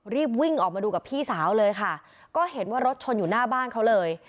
รีบวิ่งออกมาดูกับพี่สาวเลยค่ะก็เห็นว่ารถชนอยู่หน้าบ้านเขาเลย